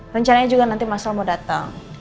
rencananya juga nanti masalah mau datang